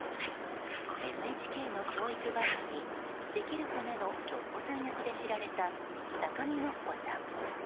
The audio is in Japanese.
ＮＨＫの教育番組「できるかな」のノッポさん役で知られた高見のっぽさん。